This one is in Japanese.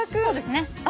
そうですね。